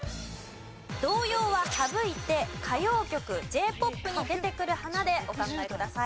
童謡は省いて歌謡曲Ｊ−ＰＯＰに出てくる花でお考えください。